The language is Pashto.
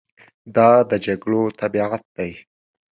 دا د جګړو طبیعت دی.